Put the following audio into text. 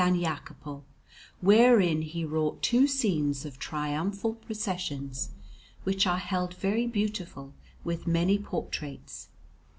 Jacopo, wherein he wrought two scenes of triumphal processions, which are held very beautiful, with many portraits.